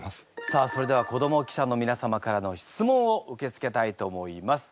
さあそれでは子ども記者のみな様からの質問を受け付けたいと思います。